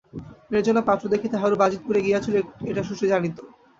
মেয়ের জন্য পাত্র দেখিতে হারু বাজিতপুরে গিয়াছিল এটা শশী জানিত।